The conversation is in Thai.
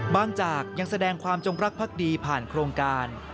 จากยังแสดงความจงรักภักดีผ่านโครงการ